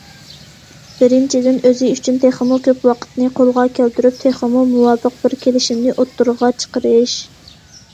بىرىنچىدىن، ئۆزى ئۈچۈن تېخىمۇ كۆپ ۋاقىتنى قولغا كەلتۈرۈپ، تېخىمۇ مۇۋاپىق بىر كېلىشىمنى ئوتتۇرىغا چىقىرىش.